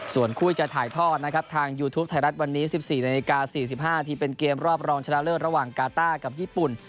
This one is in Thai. ส่วนคู่จะถ่ายทอดนะครับทางยูทูปไทยรัฐวันนี้๑๔นาฬิกา๔๕นาทีเป็นเกมรอบรองชนะเลิศระหว่างกาต้ากับญี่ปุ่น